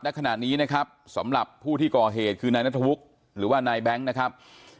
ณขณะนี้นะครับสำหรับผู้ที่ก่อเหตุคือนายนัทวุฒิหรือว่านายแบงค์นะครับ